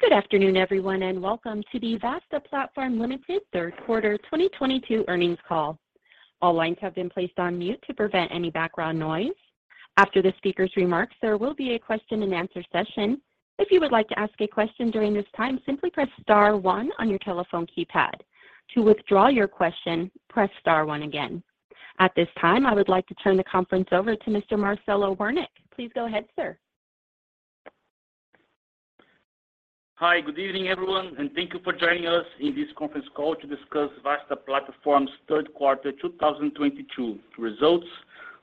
Good afternoon, everyone, and welcome to the Vasta Platform Limited third quarter 2022 earnings call. All lines have been placed on mute to prevent any background noise. After the speaker's remarks, there will be a question-and-answer session. If you would like to ask a question during this time, simply press star one on your telephone keypad. To withdraw your question, press star one again. At this time, I would like to turn the conference over to Mr. Marcelo Werneck. Please go ahead, sir. Hi. Good evening, everyone, and thank you for joining us in this conference call to discuss Vasta Platform's third quarter 2022 results,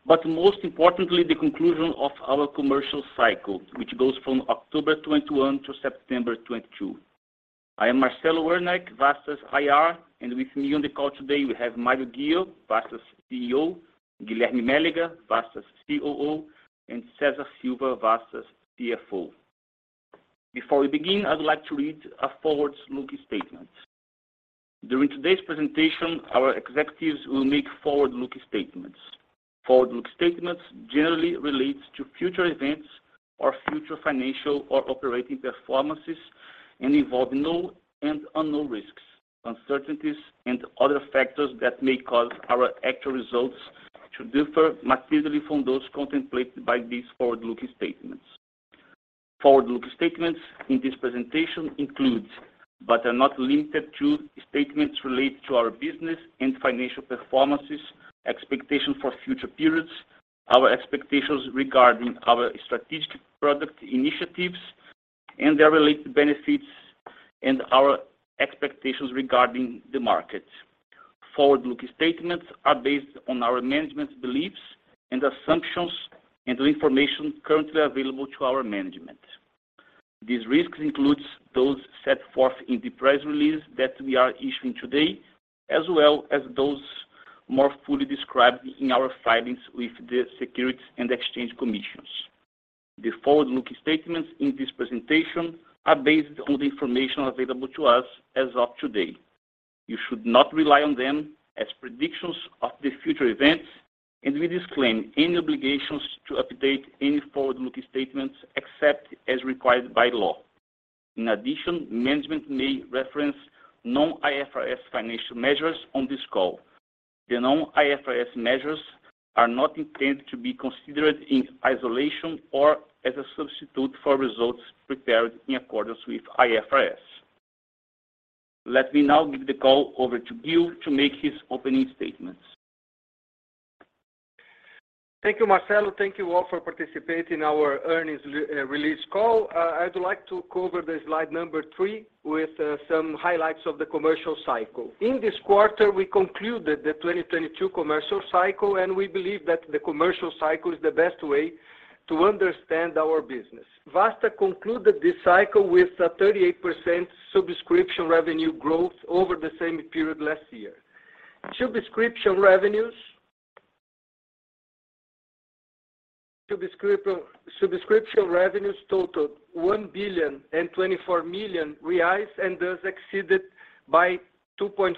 but most importantly, the conclusion of our commercial cycle, which goes from October 2021 to September 2022. I am Marcelo Werneck, Vasta's IR, and with me on the call today we have Mario Ghio, Vasta's CEO, Guilherme Melega, Vasta's COO, and Cesar Silva, Vasta's CFO. Before we begin, I'd like to read a forward-looking statement. During today's presentation, our executives will make forward-looking statements. Forward-looking statements generally relate to future events or future financial or operating performances and involve known and unknown risks, uncertainties and other factors that may cause our actual results to differ materially from those contemplated by these forward-looking statements. Forward-looking statements in this presentation include, but are not limited to statements related to our business and financial performance, expectations for future periods, our expectations regarding our strategic product initiatives and their related benefits and our expectations regarding the market. Forward-looking statements are based on our management's beliefs and assumptions and the information currently available to our management. These risks include those set forth in the press release that we are issuing today, as well as those more fully described in our filings with the Securities and Exchange Commission. The forward-looking statements in this presentation are based on the information available to us as of today. You should not rely on them as predictions of future events, and we disclaim any obligations to update any forward-looking statements except as required by law. In addition, management may reference non-IFRS financial measures on this call. The non-IFRS measures are not intended to be considered in isolation or as a substitute for results prepared in accordance with IFRS. Let me now give the call over to Ghio to make his opening statements. Thank you, Marcelo. Thank you all for participating in our earnings re-release call. I'd like to cover slide number three with some highlights of the commercial cycle. In this quarter, we concluded the 2022 commercial cycle, and we believe that the commercial cycle is the best way to understand our business. Vasta concluded this cycle with a 38% subscription revenue growth over the same period last year. Subscription revenues totaled 1.024 billion, and thus exceeded by 2.4%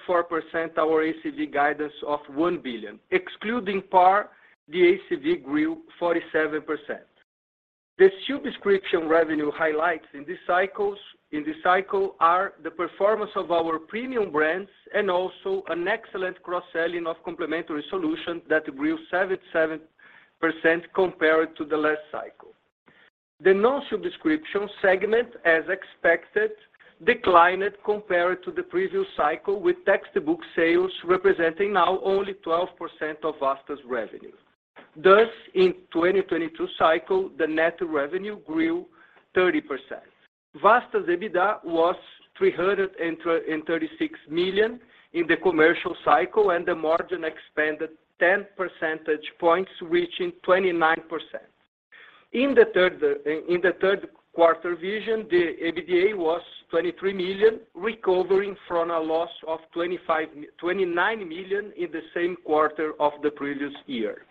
our ACV guidance of 1 billion. Excluding PAR, the ACV grew 47%. The subscription revenue highlights in this cycle are the performance of our premium brands and also an excellent cross-selling of complementary solutions that grew 7% compared to the last cycle. The non-subscription segment, as expected, declined compared to the previous cycle, with textbook sales representing now only 12% of Vasta's revenue. Thus, in 2022 cycle, the net revenue grew 30%. Vasta's EBITDA was 336 million in the commercial cycle, and the margin expanded 10 percentage points, reaching 29%. In the third quarter vision, the EBITDA was 23 million, recovering from a loss of 29 million in the same quarter of the previous year.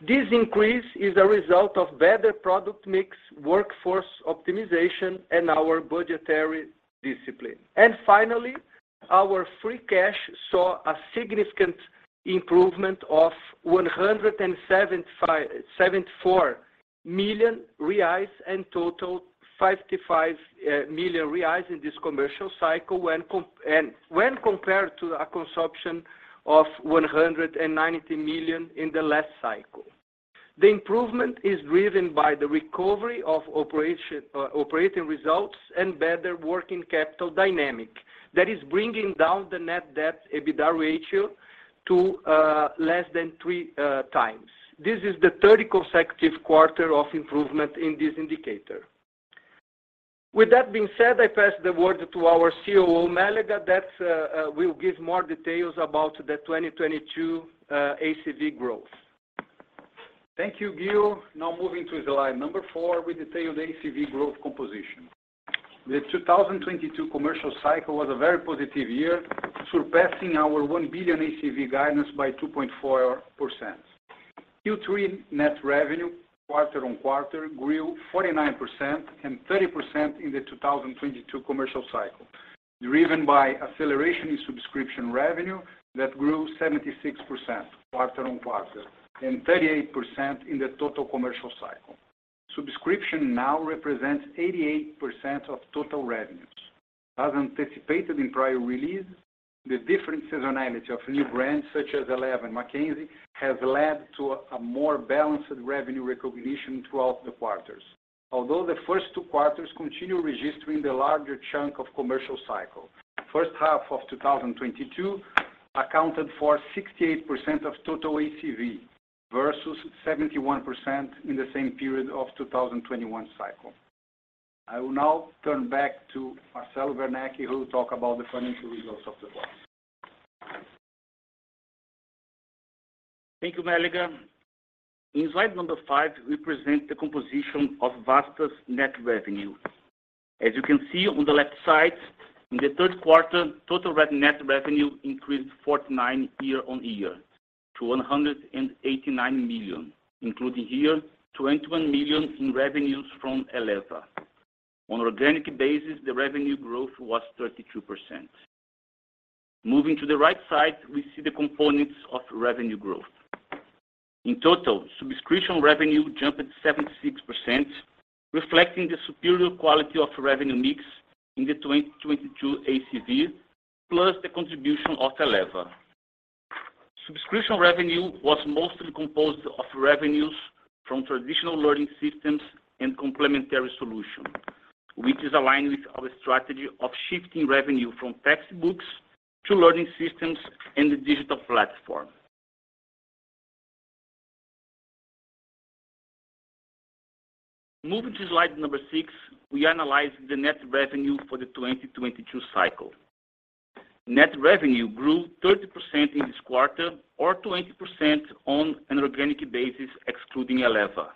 This increase is a result of better product mix, workforce optimization, and our budgetary discipline. Finally, our free cash saw a significant improvement of 174 million reais in total, 55 million reais in this commercial cycle when compared to a consumption of 190 million in the last cycle. The improvement is driven by the recovery of operating results and better working capital dynamics that is bringing down the net debt EBITDA ratio to less than three times. This is the third consecutive quarter of improvement in this indicator. With that being said, I pass the word to our COO, Melega, that will give more details about the 2022 ACV growth. Thank you, Ghio. Now moving to slide number four, we detail the ACV growth composition. The 2022 commercial cycle was a very positive year, surpassing our 1 billion ACV guidance by 2.4%. Q3 net revenue quarter-on-quarter grew 49% and 30% in the 2022 commercial cycle. Driven by acceleration in subscription revenue that grew 76% quarter-on-quarter and 38% in the total commercial cycle. Subscription now represents 88% of total revenues. As anticipated in prior release, the different seasonality of new brands such as Eleva and Mackenzie have led to a more balanced revenue recognition throughout the quarters. Although the first two quarters continue registering the larger chunk of commercial cycle. First half of 2022 accounted for 68% of total ACV versus 71% in the same period of 2021 cycle. I will now turn back to Marcelo Werneck, who will talk about the financial results of the Vasta. Thank you, Melega. In slide number five, we present the composition of Vasta's net revenue. As you can see on the left side, in the third quarter, total net revenue increased 49% year-on-year to 189 million, including here 21 million in revenues from Eleva. On organic basis, the revenue growth was 32%. Moving to the right side, we see the components of revenue growth. In total, subscription revenue jumped 76%, reflecting the superior quality of revenue mix in the 2022 ACV, plus the contribution of Eleva. Subscription revenue was mostly composed of revenues from traditional learning systems and complementary solution, which is aligned with our strategy of shifting revenue from textbooks to learning systems and the digital platform. Moving to slide number 6, we analyze the net revenue for the 2022 cycle. Net revenue grew 30% in this quarter or 20% on an organic basis excluding Eleva.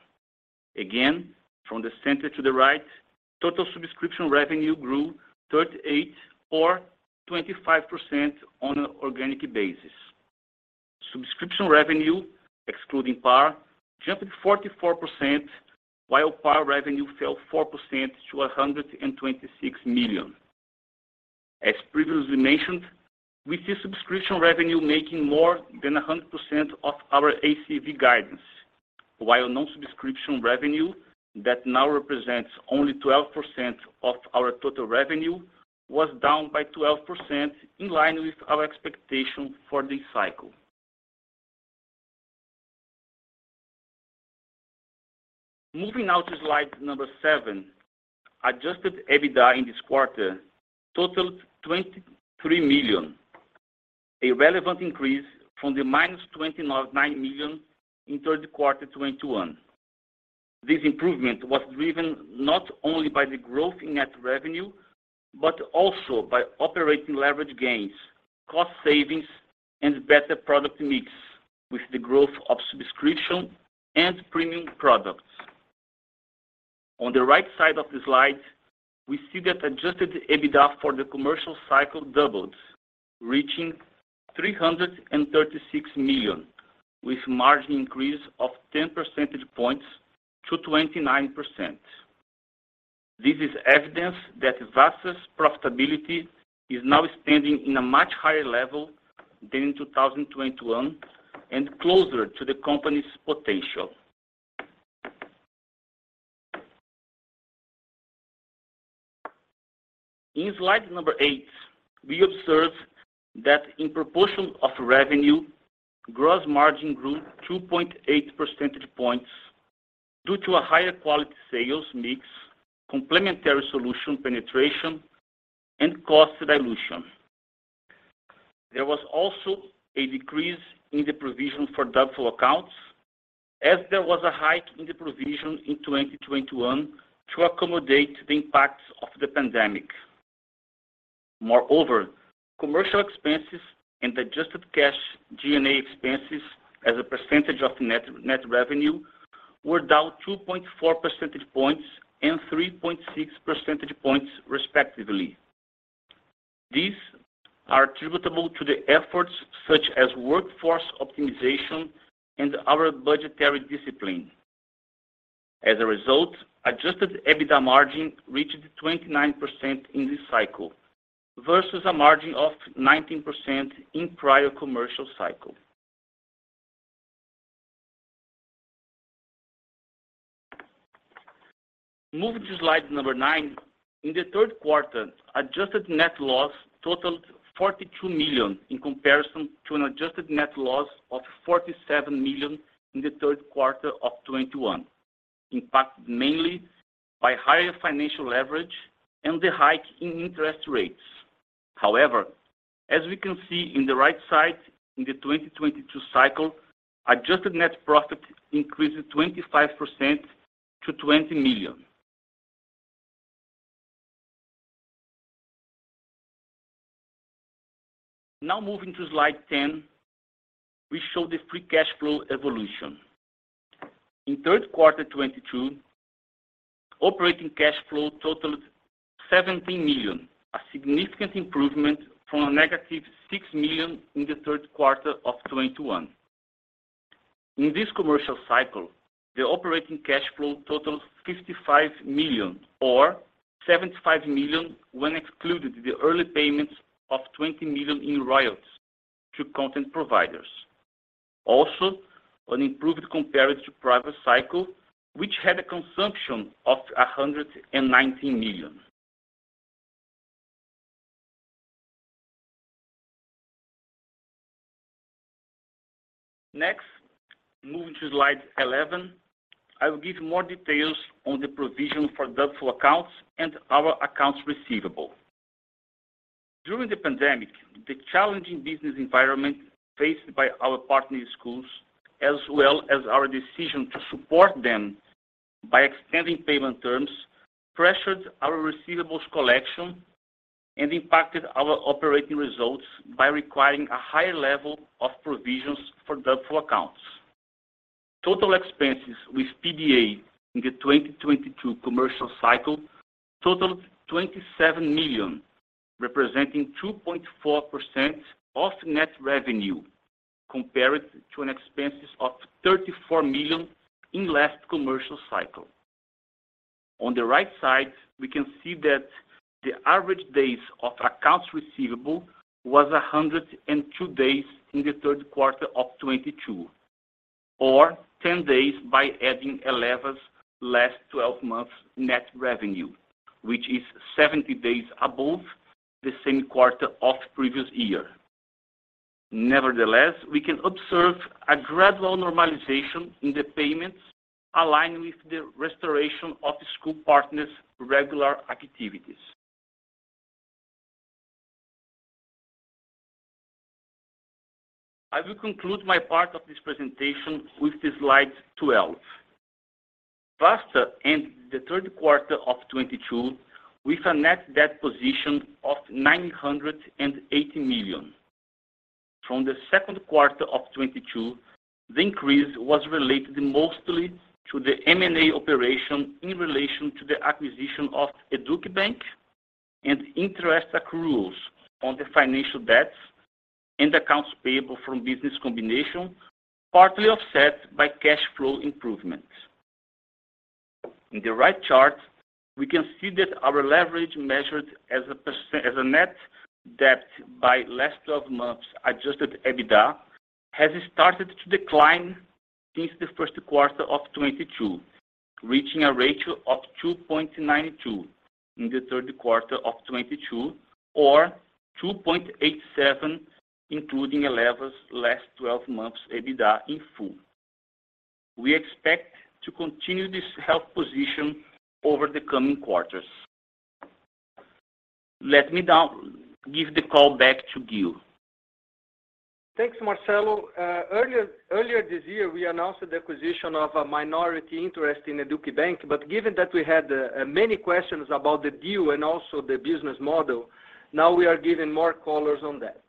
Again, from the center to the right, total subscription revenue grew 38% or 25% on an organic basis. Subscription revenue, excluding PAR, jumped 44%, while PAR revenue fell 4% to 126 million. As previously mentioned, we see subscription revenue making more than 100% of our ACV guidance, while non-subscription revenue that now represents only 12% of our total revenue was down by 12% in line with our expectation for this cycle. Moving now to slide number seven, adjusted EBITDA in this quarter totaled 23 million, a relevant increase from the -29 million in third quarter 2021. This improvement was driven not only by the growth in net revenue, but also by operating leverage gains, cost savings, and better product mix with the growth of subscription and premium products. On the right side of the slide, we see that adjusted EBITDA for the commercial cycle doubled, reaching 336 million, with margin increase of 10 percentage points to 29%. This is evidence that Vasta's profitability is now standing in a much higher level than in 2021 and closer to the company's potential. In slide number eight, we observe that in proportion of revenue, gross margin grew 2.8 percentage points due to a higher quality sales mix, complementary solution penetration, and cost dilution. There was also a decrease in the provision for doubtful accounts, as there was a hike in the provision in 2021 to accommodate the impacts of the pandemic. Moreover, commercial expenses and adjusted cash G&A expenses as a percentage of net revenue were down 2.4 percentage points and 3.6 percentage points, respectively. These are attributable to the efforts such as workforce optimization and our budgetary discipline. As a result, adjusted EBITDA margin reached 29% in this cycle versus a margin of 19% in prior commercial cycle. Moving to slide nine. In the third quarter, adjusted net loss totaled 42 million in comparison to an adjusted net loss of 47 million in the third quarter of 2021, impacted mainly by higher financial leverage and the hike in interest rates. However, as we can see on the right side, in the 2022 cycle, adjusted net profit increased 25% to BRL 20 million. Now moving to slide 10, we show the free cash flow evolution. In third quarter 2022, operating cash flow totaled 17 million, a significant improvement from a negative 6 million in the third quarter of 2021. In this commercial cycle, the operating cash flow totals 55 million or 75 million when excluding the early payments of 20 million in royalties to content providers. Also, an improvement compared to previous cycle, which had a consumption of 119 million. Next, moving to slide 11, I will give more details on the provision for doubtful accounts and our accounts receivable. During the pandemic, the challenging business environment faced by our partner schools, as well as our decision to support them by extending payment terms, pressured our receivables collection and impacted our operating results by requiring a higher level of provisions for doubtful accounts. Total expenses with PDA in the 2022 commercial cycle totaled 27 million, representing 2.4% of net revenue compared to an expenses of 34 million in last commercial cycle. On the right side, we can see that the average days of accounts receivable was 102 days in the third quarter of 2022 or ten days by adding Eleva's last twelve months net revenue, which is 70 days above the same quarter of previous year. Nevertheless, we can observe a gradual normalization in the payments aligned with the restoration of the school partners' regular activities. I will conclude my part of this presentation with the slide 12. Vasta ended the third quarter of 2022 with a net debt position of 980 million. From the second quarter of 2022, the increase was related mostly to the M&A operation in relation to the acquisition of Educbank and interest accruals on the financial debts and accounts payable from business combination, partly offset by cash flow improvements. In the right chart, we can see that our leverage measured as net debt by last twelve months adjusted EBITDA has started to decline since the first quarter of 2022, reaching a ratio of 2.92 in the third quarter of 2022 or 2.87 including Eleva's last twelve months EBITDA in full. We expect to continue this healthy position over the coming quarters. Let me now give the call back to Ghio. Thanks, Marcelo. Earlier this year, we announced the acquisition of a minority interest in Educbank. Given that we had many questions about the deal and also the business model, now we are giving more colors on that.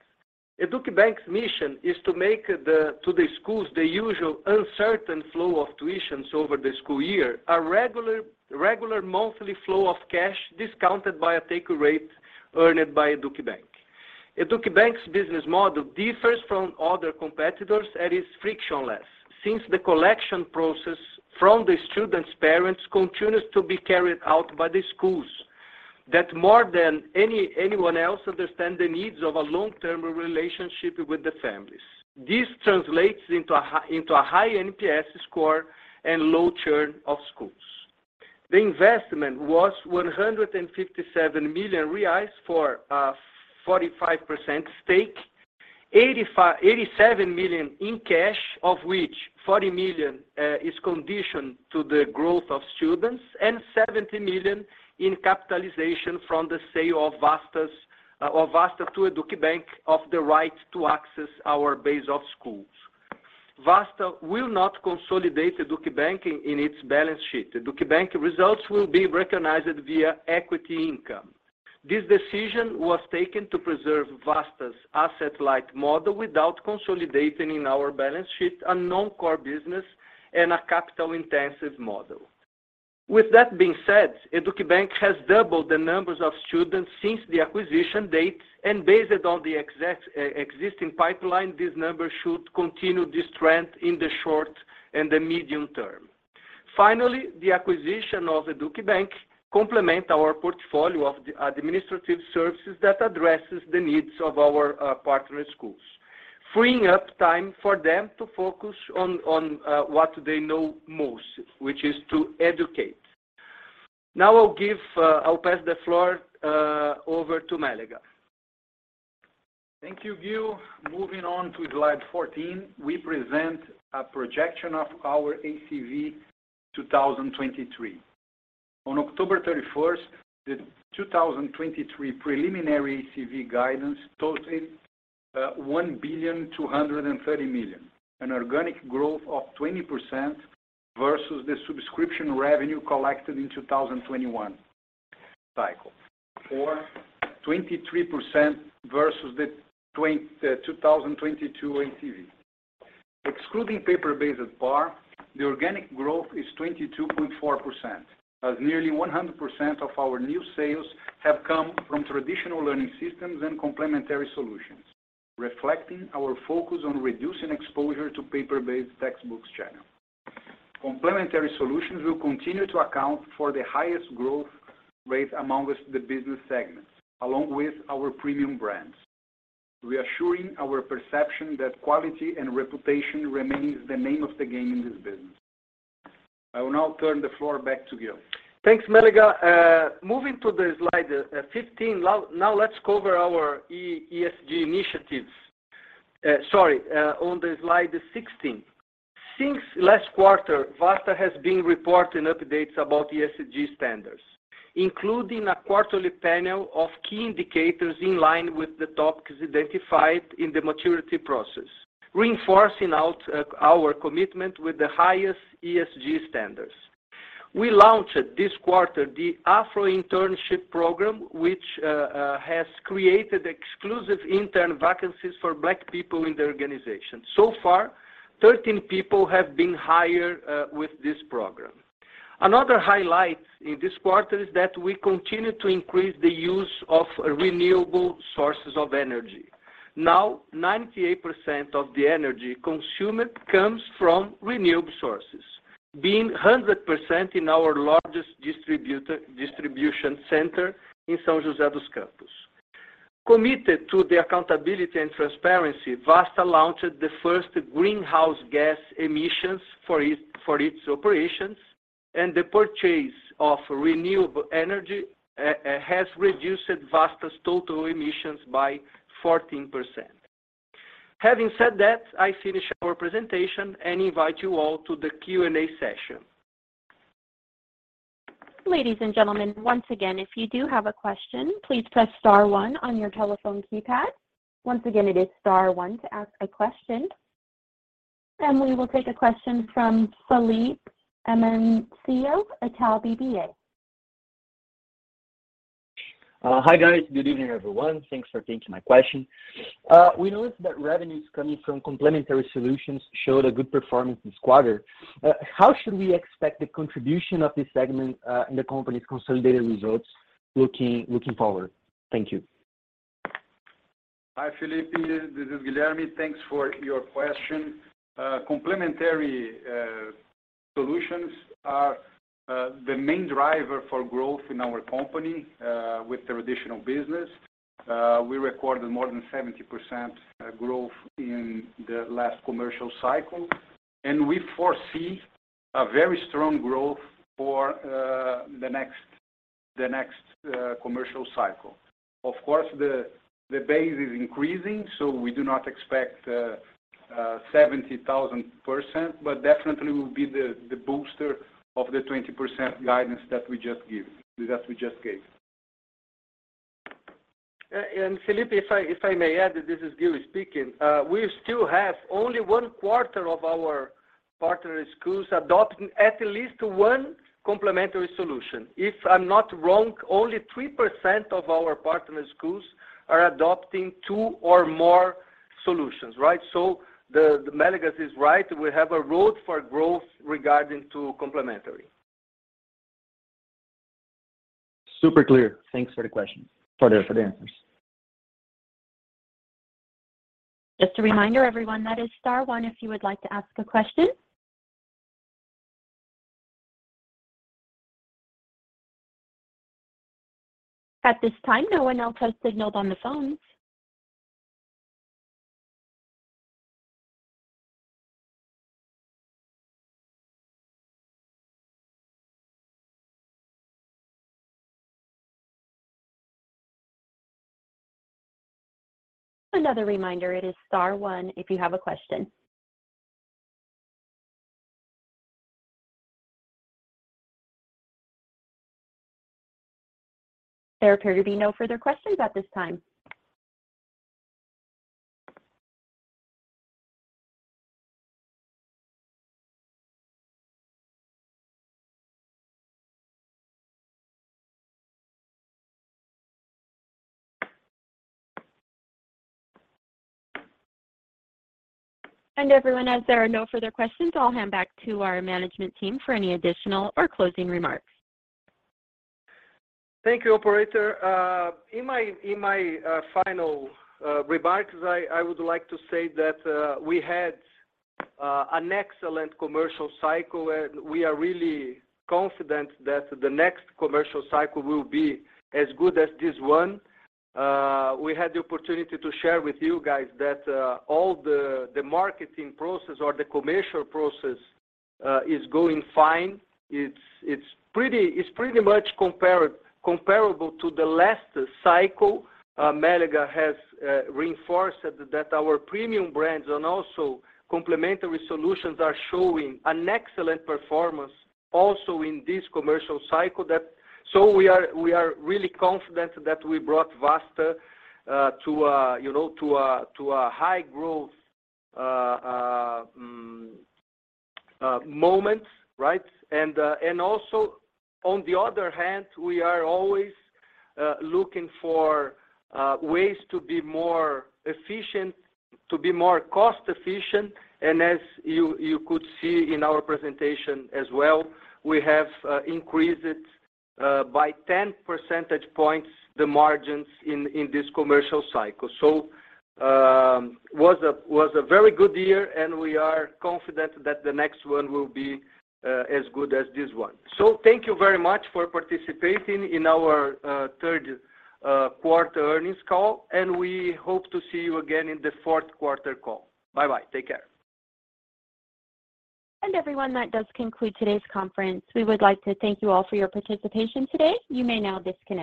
Educbank's mission is to make to the schools the usual uncertain flow of tuitions over the school year, a regular monthly flow of cash discounted by a take rate earned by Educbank. Educbank's business model differs from other competitors and is frictionless since the collection process from the students' parents continues to be carried out by the schools that more than anyone else understand the needs of a long-term relationship with the families. This translates into a high NPS score and low churn of schools. The investment was 157 million reais for a 45% stake, 87 million in cash, of which 40 million is conditioned to the growth of students, and 70 million in capitalization from the sale of Vasta to Educbank of the right to access our base of schools. Vasta will not consolidate Educbank in its balance sheet. Educbank results will be recognized via equity income. This decision was taken to preserve Vasta's asset-light model without consolidating in our balance sheet a non-core business and a capital-intensive model. With that being said, Educbank has doubled the numbers of students since the acquisition date, and based on the existing pipeline, this number should continue this trend in the short and the medium term. Finally, the acquisition of Educbank complement our portfolio of the administrative services that addresses the needs of our partner schools, freeing up time for them to focus on what they know most, which is to educate. Now I'll pass the floor over to Melega. Thank you, Ghio. Moving on to slide 14, we present a projection of our ACV 2023. On October 31, the 2023 preliminary ACV guidance totaled 1,230 million, an organic growth of 20% versus the subscription revenue collected in 2021 cycle, or 23% versus the 2022 ACV. Excluding paper-based PAR The organic growth is 22.4%, as nearly 100% of our new sales have come from traditional learning systems and complementary solutions, reflecting our focus on reducing exposure to paper-based textbooks channel. Complementary solutions will continue to account for the highest growth rate among the business segments, along with our premium brands, reassuring our perception that quality and reputation remains the name of the game in this business. I will now turn the floor back to Ghio. Thanks, Melega. Moving to slide 15, now let's cover our ESG initiatives. Sorry, on slide 16. Since last quarter, Vasta has been reporting updates about ESG standards, including a quarterly panel of key indicators in line with the topics identified in the maturity process, reinforcing our commitment with the highest ESG standards. We launched this quarter the Afro Internship Program, which has created exclusive intern vacancies for Black people in the organization. So far, 13 people have been hired with this program. Another highlight in this quarter is that we continue to increase the use of renewable sources of energy. Now, 98% of the energy consumed comes from renewable sources, being 100% in our largest distribution center in São José dos Campos. Committed to the accountability and transparency, Vasta launched the first greenhouse gas emissions for its operations, and the purchase of renewable energy has reduced Vasta's total emissions by 14%. Having said that, I finish our presentation and invite you all to the Q&A session. Ladies and gentlemen, once again, if you do have a question, please press star one on your telephone keypad. Once again, it is star one to ask a question. We will take a question from Felipe Mancebo at Itaú BBA. Hi, guys. Good evening, everyone. Thanks for taking my question. We noticed that revenues coming from complementary solutions showed a good performance this quarter. How should we expect the contribution of this segment in the company's consolidated results looking forward? Thank you. Hi, Felipe. This is Guilherme. Thanks for your question. Complementary solutions are the main driver for growth in our company with the traditional business. We recorded more than 70% growth in the last commercial cycle, and we foresee a very strong growth for the next commercial cycle. Of course, the base is increasing, so we do not expect 70,000%, but definitely will be the booster of the 20% guidance that we just gave. Felipe, if I may add, this is Ghio speaking. We still have only one quarter of our partner schools adopting at least one complementary solution. If I'm not wrong, only 3% of our partner schools are adopting two or more solutions, right? The Melega is right. We have a room for growth regarding complementary. Super clear. Thanks for the question. Sorry, for the answers. Just a reminder, everyone, that is star one if you would like to ask a question. At this time, no one else has signaled on the phones. Another reminder, it is star one if you have a question. There appear to be no further questions at this time. Everyone, as there are no further questions, I'll hand back to our management team for any additional or closing remarks. Thank you, operator. In my final remarks, I would like to say that we had an excellent commercial cycle and we are really confident that the next commercial cycle will be as good as this one. We had the opportunity to share with you guys that all the marketing process or the commercial process is going fine. It's pretty much comparable to the last cycle. Melega has reinforced that our premium brands and also complementary solutions are showing an excellent performance also in this commercial cycle. We are really confident that we brought Vasta to a high-growth moment, you know, right? On the other hand, we are always looking for ways to be more efficient, to be more cost-efficient. As you could see in our presentation as well, we have increased by 10 percentage points the margins in this commercial cycle. It was a very good year, and we are confident that the next one will be as good as this one. Thank you very much for participating in our third quarter earnings call, and we hope to see you again in the fourth quarter call. Bye-bye. Take care. Everyone, that does conclude today's conference. We would like to thank you all for your participation today. You may now disconnect.